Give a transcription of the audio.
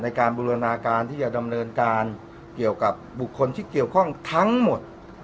การบูรณาการที่จะดำเนินการเกี่ยวกับบุคคลที่เกี่ยวข้องทั้งหมด